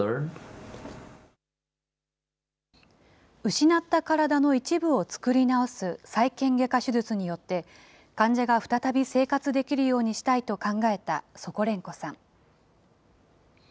失った体の一部を作り直す再建外科手術によって、患者が再び生活できるようにしたいと考えたソコレンコさん。